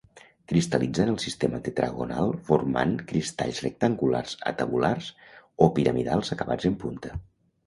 Cristal·litza en el sistema tetragonal formant cristalls rectangulars a tabulars, o piramidals acabats en punta.